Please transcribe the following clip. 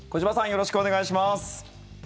よろしくお願いします。